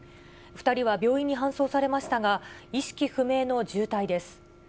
２人は病院に搬送されましたが、意識不明の重体です。